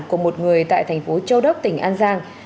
của một người tại thành phố châu đốc tỉnh an giang